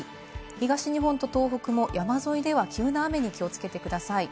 東日本と東北も山沿いでは急な雨に気をつけてください。